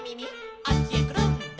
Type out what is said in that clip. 「あっちへくるん」